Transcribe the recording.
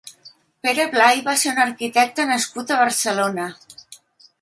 Pere Blai va ser un arquitecte nascut a Barcelona.